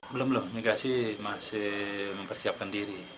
belum belum migasi masih mempersiapkan diri